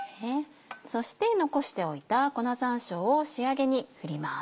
そして残しておいた粉山椒を仕上げに振ります。